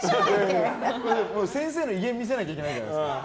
先生の威厳見せなきゃいけないじゃないですか。